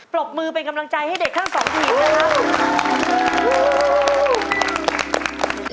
ปรบมือเป็นกำลังใจให้เด็กทั้งสองทีมนะครับ